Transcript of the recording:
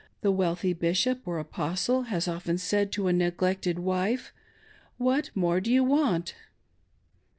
the wealthy Bishop or Apostle has often said to a neglected wife, "what more do you want.'"